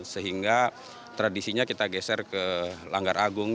sehingga tradisinya kita geser ke langgaragung